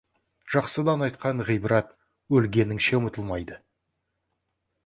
Жақсыдан айтқан ғибрат өлгеніңше ұмытылмайды.